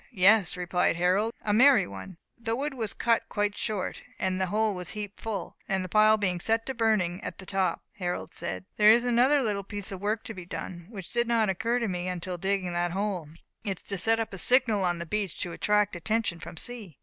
"Yes," replied Harold, "a merry one." The wood was cut quite short, and the hole was heaped full; and the pile being set to burning at the top, Harold said, "There is another little piece of work to be done, which did not occur to me until digging that hole. It is to set up a signal on the beach to attract attention from sea."